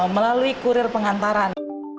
melalui kurir pengantaran